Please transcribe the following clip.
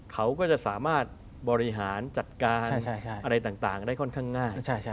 เขาก็จะสามารถบริหารจัดการอะไรต่างได้ค่อนข้างง่าย